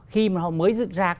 khi mà họ mới dựng rạc